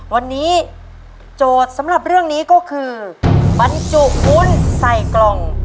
วันนี้โจทย์สำหรับเรื่องนี้ก็คือบรรจุวุ้นใส่กล่อง